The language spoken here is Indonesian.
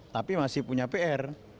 tapi masih punya pr